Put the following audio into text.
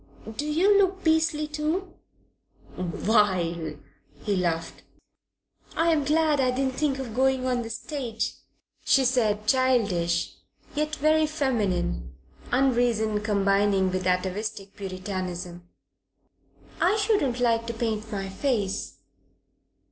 "Do you look beastly too?" "Vile," he laughed. "I'm glad I didn't think of going on the stage,"' she said, childish yet very feminine unreason combining with atavistic puritanism. "I shouldn't like to paint my face."